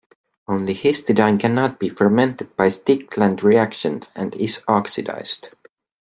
Only histidine cannot be fermented by Stickland reactions, and is oxidised.